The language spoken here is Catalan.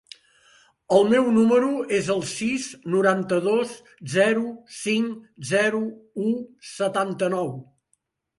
El meu número es el sis, noranta-dos, zero, cinc, zero, u, setanta-nou.